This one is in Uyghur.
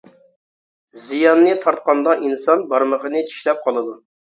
زىياننى تارتقاندا ئىنسان بارمىقىنى چىشلەپ قالىدۇ.